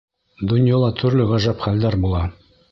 Донъяла төрлө ғәжәп хәлдәр була.